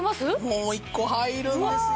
もう１個入るんですよ。